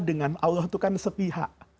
dengan allah itu kan sepihak